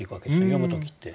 読む時って。